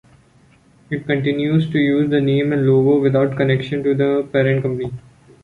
It continues to use the name and logo without connection to the parent company.